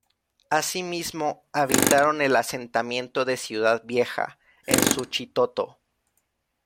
Asimismo, habitaron el asentamiento de Ciudad Vieja, en Suchitoto.